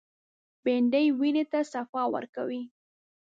بېنډۍ وینې ته صفا ورکوي